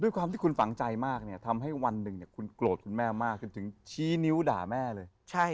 ด้วยความที่คุณฝังใจมากทำให้วันหนึ่งคุณโกรธคุณแม่มากคุณถึงชี้นิ้วด่าแม่เลย